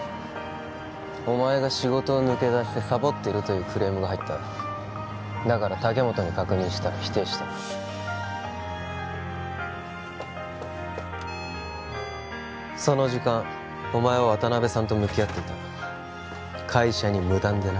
お前が仕事を抜け出してサボってるというクレームが入っただから竹本に確認したら否定したその時間お前は渡辺さんと向き合っていた会社に無断でな